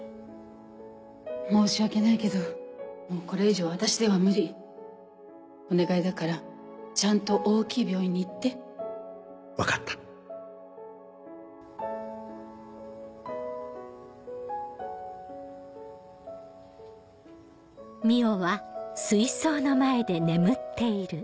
申し訳ないけどもうこれお願いだからちゃんと大きい病院に行って分かったドアが開く音